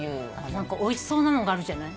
何かおいしそうなのがあるじゃない。